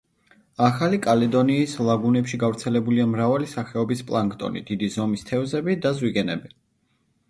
ახალი კალედონიის ლაგუნებში გავრცელებულია მრავალი სახეობის პლანქტონი, დიდი ზომის თევზები და ზვიგენები.